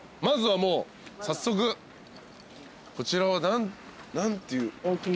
まずはもう早速こちらは何ていう。